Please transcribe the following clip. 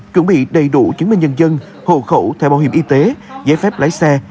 chuẩn bị đầy đủ chứng minh nhân dân hộ khẩu theo bảo hiểm y tế giấy phép lái xe